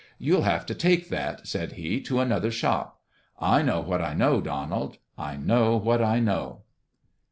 "You'll have to take that," said he, "to another shop. I know what I know, Donald. I know what I know."